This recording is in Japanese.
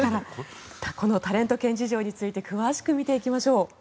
タレント犬事情について詳しく見ていきましょう。